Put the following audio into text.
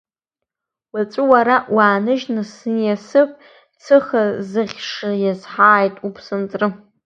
Уаҵәы уара уааныжьны сниасып, цыха ӡыхьшәа иазҳааит уԥсынҵры.